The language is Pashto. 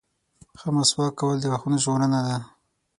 • ښه مسواک کول د غاښونو ژغورنه ده.